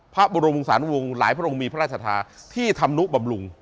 พระบรมงสารบรมงค์หลายพระองค์มีพระราชศรัทธาที่ทำนุปำลุง